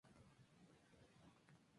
Actualmente vive en Adís Abeba.